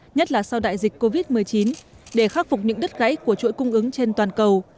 nhất là sau đại dịch covid một mươi chín để khắc phục những đứt gãy của chuỗi cung ứng trên toàn cầu